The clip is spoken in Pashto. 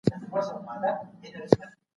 د ليکوال نوم څه و؟